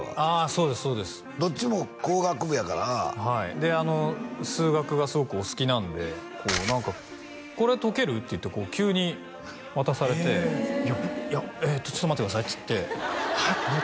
そうですそうですどっちも工学部やからはい数学がすごくお好きなんでこれ解ける？って言ってこう急に渡されていやちょっと待ってくださいっつってええこれ？